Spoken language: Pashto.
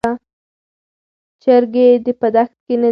چرګې په دښت کې نه دي.